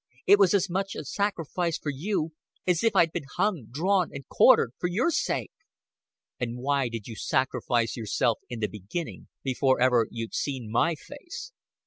It was as much a sacrifice for you as if I'd been hung, drawn, and quartered for your sake." "And why did you sacrifice yourself in the beginning, before ever you'd seen my face?"